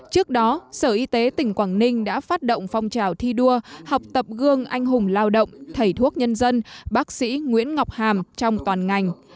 trước đó sở y tế tỉnh quảng ninh đã phát động phong trào thi đua học tập gương anh hùng lao động thầy thuốc nhân dân bác sĩ nguyễn ngọc hàm trong toàn ngành